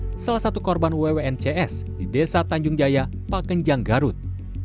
dia adalah salah satu korban wwn cs di desa tanjung jaya pakenjang garut